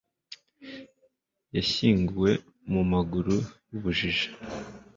Yashyinguwe mumaguru yubujiji